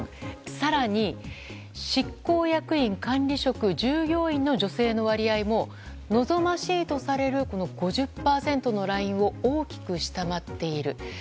更に、執行役員管理職、従業員の割合も望ましいとされる５０％のラインを大きく下回っている。